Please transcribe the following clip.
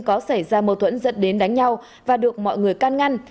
có xảy ra mâu thuẫn dẫn đến đánh nhau và được mọi người can ngăn